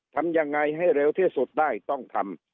ทำยังไงให้เร็วที่สุดได้ต้องทำ